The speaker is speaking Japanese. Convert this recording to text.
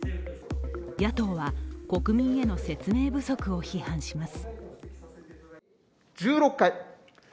野党は国民への説明不足を批判します。